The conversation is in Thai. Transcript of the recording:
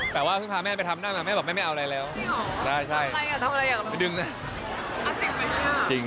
แหม่บ่มาย้าไปทำหน้านะแหม่แบบแม่บ่เอาอะไรจะเลิก